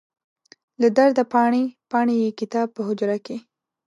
له درده پاڼې، پاڼې یې کتاب په حجره کې